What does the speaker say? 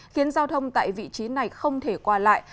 khiến giao thông tại vị trí này không thể qua lại